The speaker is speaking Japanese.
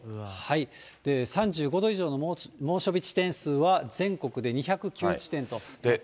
３５度以上の猛暑日地点数は全国で２０９地点となります。